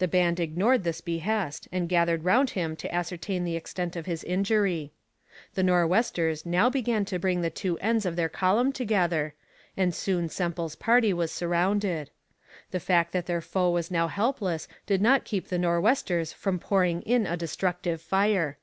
The band ignored this behest, and gathered round him to ascertain the extent of his injury. The Nor'westers now began to bring the two ends of their column together, and soon Semple's party was surrounded. The fact that their foe was now helpless did not keep the Nor'westers from pouring in a destructive fire.